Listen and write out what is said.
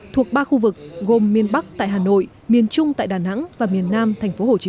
thuộc ba khu vực gồm miền bắc tại hà nội miền trung tại đà nẵng và miền nam thành phố hồ chí